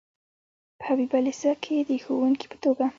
په حبیبیه لیسه کې د ښوونکي په توګه.